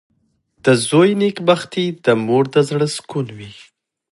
• د زوی نېکبختي د مور د زړۀ سکون وي.